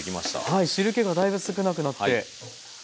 はい汁けがだいぶ少なくなって。